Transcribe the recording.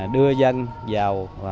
đưa dân vào